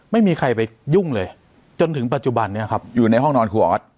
ไม่มีใครไปยุ่งเลยจนถึงปัจจุบันนี้ครับอยู่ในห้องนอนครูออส